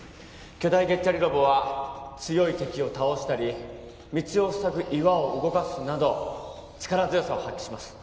巨大ゲッチャリロボは強い敵を倒したり道をふさぐ岩を動かすなど力強さを発揮します